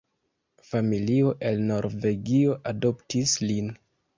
Familio el Norvegio adoptis lin.